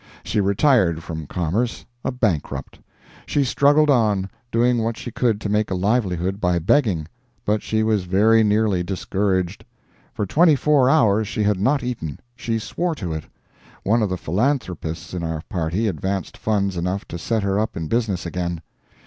She retired from commerce, a bankrupt. She struggled on, doing what she could to make a livelihood by begging, but she was very nearly discouraged. For 24 hours she had not eaten. She swore to it. One of the philanthropists in our party advanced funds enough to set her up in business again.